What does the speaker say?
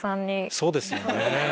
そうですよね。